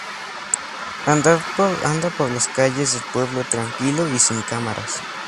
Anda por las calles del pueblo tranquilo y sin cámaras.